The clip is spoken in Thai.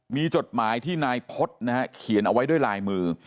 มีจดหมายที่นายพฤษนะฮะเขียนเอาไว้ด้วยลายมือ